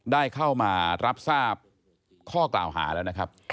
ได้เข้ามารับทราบข้อกล่าวหาแล้วนะครับ